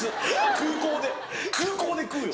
空港で食うよ！